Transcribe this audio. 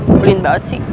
belin banget sih